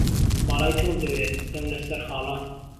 باڵای تۆم دهوێ، دهم له سهر خاڵان